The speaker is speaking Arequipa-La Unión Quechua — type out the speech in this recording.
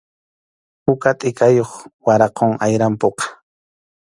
Puka tʼikayuq waraqum ayrampuqa.